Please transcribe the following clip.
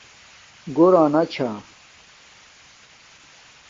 گھور آنا چھا